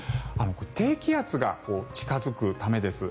低気圧が近付くためです。